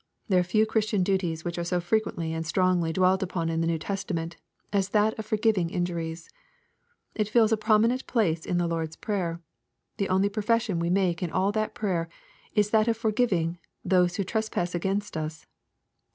There are few Christian duties which are so frequently and strongly dwelt upon in the New Testament as this of forgiving injuries. It fills a prominent place in the Lord's prayer. The only profession we make in all that prayer, is that of forgiving " those who trespass against us.''